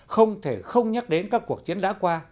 không thể không nhắc đến các cuộc chiến đã qua